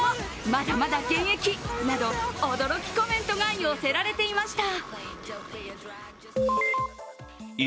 まだまだ現役など、驚きコメントが寄せられていました。